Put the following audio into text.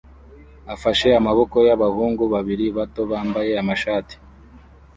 afashe amaboko y'abahungu babiri bato bambaye amashati